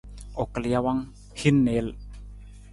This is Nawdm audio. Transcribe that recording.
U kal jawang, hin niil.